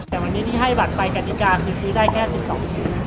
อย่างนี้ที่ให้บัตรไปกันดีการคือซื้อได้แค่๑๒ชิ้น